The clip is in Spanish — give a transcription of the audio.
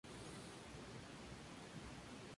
Su capital y principal ciudad es Brno.